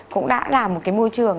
cũng đã là một cái môi trường